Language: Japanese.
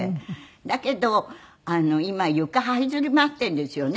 だけど今床這いずり回ってるんですよね